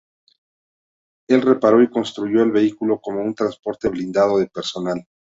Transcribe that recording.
Él reparó y reconstruyó el vehículo como un transporte blindado de personal.